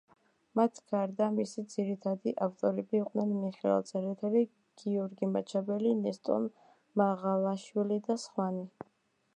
მათ გარდა, მისი ძირითადი ავტორები იყვნენ მიხეილ წერეთელი, გიორგი მაჩაბელი, ნესტორ მაღალაშვილი და სხვანი.